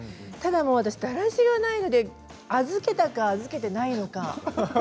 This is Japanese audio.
ただ、私だらしがないので預けたのか預けてないのか。